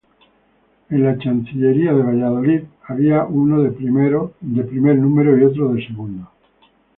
En la Chancillería de Valladolid había unos de primer número y otros de segundo.